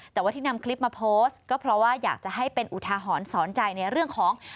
แต่ว่าที่นำคลิปมาโพสต์ก็เพราะว่าอยากจะให้เป็นอุทาหรณ์สอนใจในเรื่องของ